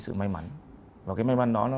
sự may mắn và cái may mắn đó